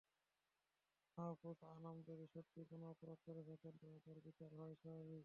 মাহ্ফুজ আনাম যদি সত্যিই কোনো অপরাধ করে থাকেন, তবে তাঁর বিচার হওয়াই স্বাভাবিক।